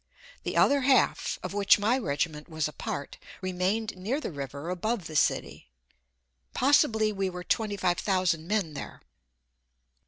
The other half, of which my regiment was a part, remained near the river above the city. Possibly we were twenty five thousand men there.